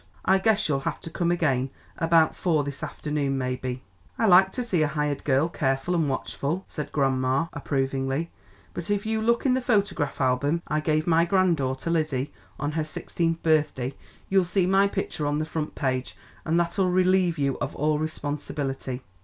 I guess you'll have to come again, about four this afternoon, maybe." "I like to see a hired girl careful and watchful," said grandma approvingly, "but if you look in the photograph album I gave my grandaughter Lizzie, on her sixteenth birthday, you'll see my picture on the front page, and that'll relieve you of all responsibility."